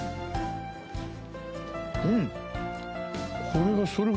うん！